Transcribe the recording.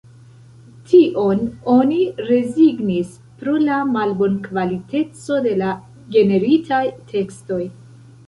Tion oni rezignis pro la malbonkvaliteco de la generitaj tekstoj.